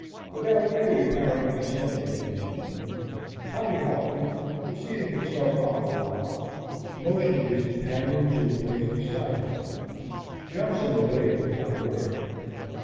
Without any apparent concern in these phenomena, Tommy halted, and, seating himself on a log, motioned his companion to a place beside him. Johnson obeyed without a word.